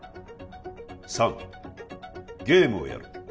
３ゲームをやる